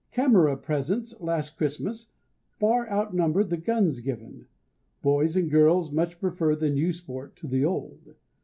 Camera presents last Christmas far outnumbered the guns given. Boys and girls much prefer the new sport to the old.